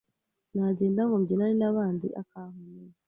nagenda ngo mbyinane n’ abandi akankomeza,